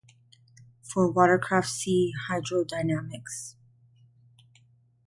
For watercraft see Hydrodynamics.